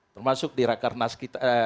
termasuk di rekernas kita